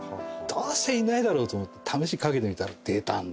どうせいないだろと思って試しにかけてみたら出たんだよ。